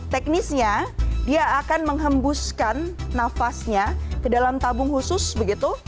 teknisnya dia akan menghembuskan nafasnya ke dalam tabung khusus begitu